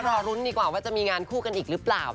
รอรุ้นดีกว่าว่าจะมีงานคู่กันอีกหรือเปล่า